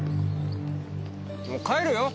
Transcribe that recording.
もう帰るよ。